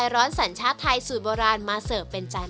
อย่างเช่นประเทศไทยที่ตั้งอยู่ในเขตร้อนและอบอุ่นเป็นส่วนใหญ่